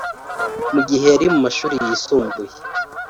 Mu gihe yari mu mashuri yisumbuye